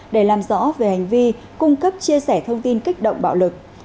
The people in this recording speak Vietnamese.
để làm rõ về hành vi cung cấp chia sẻ thông tin kích động bạo lực